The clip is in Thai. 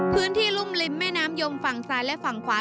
พื้นที่ลุ่มลิมแม่น้ำยมฝั่งซ้ายและฝั่งขวา